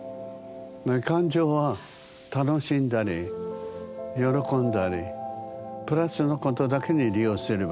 感情は楽しんだり喜んだりプラスのことだけに利用すればいいの。